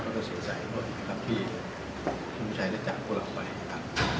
แล้วก็เสียใจด้วยนะครับที่คุณผู้ชายได้จากพวกเราไปนะครับ